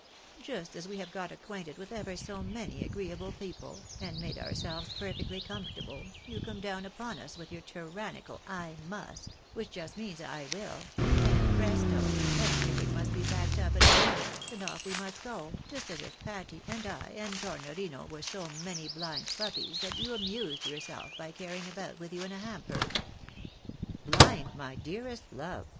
" Just as we have got acquainted with ever so many agreeable people, and made ourselves perfectly comfortable, you come down upon us with your tyrannical' ' I must,'' which just means ' I will,' and presto, everything must be packed up in a moment, and off we must go, just as if Patty, and I, and Tornorino, were so many blind puppies that you amused yourself by carrying about with you in a hamper." " Blind, my dearest love